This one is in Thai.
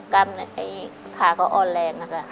กล้ามขาก็อ่อนแรงนะคะ